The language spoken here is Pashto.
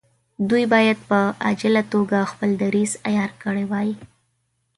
دوی باید په عاجله توګه خپل دریځ عیار کړی وای.